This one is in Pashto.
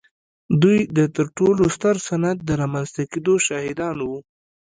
دوی د تر ټولو ستر صنعت د رامنځته کېدو شاهدان وو.